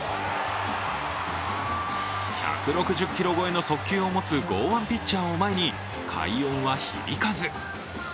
１６０キロ超えの速球を持つ剛腕ピッチャーを前に快音は響かず。